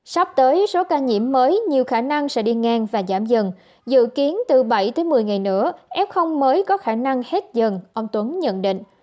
sắp tới số ca nhiễm mới nhiều khả năng sẽ đi ngang và giảm dần dự kiến từ bảy tới một mươi ngày nữa f mới có khả năng hết dần ông tuấn nhận định